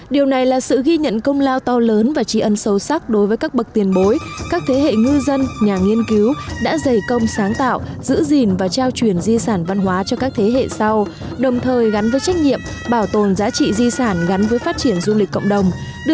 điều này là sự ghi nhận công lao to lớn và trí ân sâu sắc đối với các bậc tiền bối các thế hệ ngư dân nhà nghiên cứu đã dày công sáng tạo giữ gìn và trao truyền di sản văn hóa cho các thế hệ sau đồng thời gắn với trách nhiệm bảo tồn giá trị di sản gắn với phát triển du lịch cộng đồng